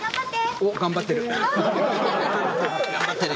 おっ、頑張ってる。